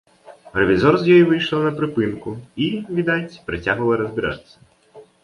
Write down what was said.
Рэвізор з ёй выйшла на прыпынку і, відаць, працягвала разбірацца.